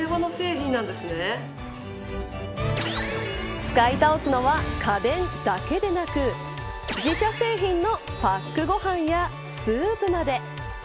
使い倒すのは家電だけでなく自社製品のパックご飯やスープまで。